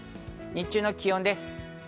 日中の気温です。